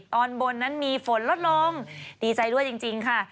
ตอนบนนั้นมีฝนลดลงดีใจด้วยจริงค่ะ